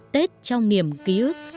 tết trong niềm ký ức